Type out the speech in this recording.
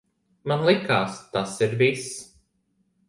Man likās, tas ir viss.